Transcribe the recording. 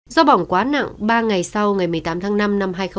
do bỏng quá nặng ba ngày sau ngày một mươi tám tháng năm năm hai nghìn bảy